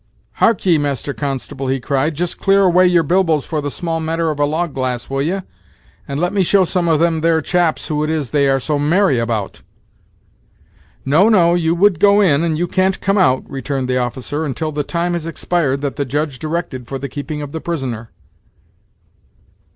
"Hark ye, master constable," he cried, "just clear away your bilboes for the small matter of a log glass, will ye, and let me show some of them there chaps who it is they are so merry about." "No, no, you would go in, and you can't come out," returned the officer, "until the time has expired that the Judge directed for the keeping of the prisoner."